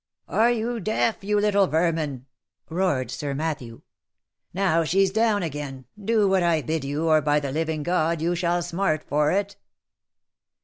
" Are you deaf, you little vermin?" roared Sir Matthew. " Now she's down again. — Do what I bid you, or by the living God you shall smart for it